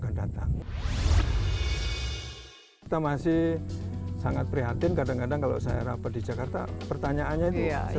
akan datang kita masih sangat prihatin kadang kadang kalau saya rapat di jakarta pertanyaannya itu saya